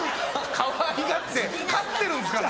かわいがって飼ってるんですから。